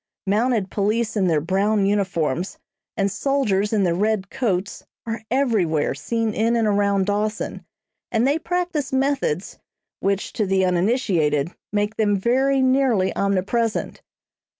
Mounted police in their brown uniforms and soldiers in their red coats are everywhere seen in and around Dawson, and they practice methods, which, to the uninitiated, make them very nearly omnipresent.